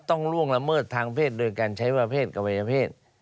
ต้องล่วงละเมิดทางเพศโดยการใช้วัยเผศกับวัยเผศ